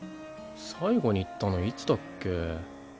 最後に行ったのいつだっけ？